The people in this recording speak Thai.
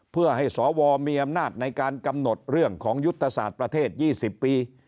เพื่อให้สวมีอำนาจในการกำหนดเรื่องของยุทธศาสตร์ประเทศ๒๐ปี